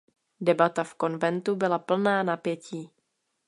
Debata v Konventu byla plná napětí.